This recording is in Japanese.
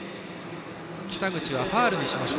北口はファウルにしました。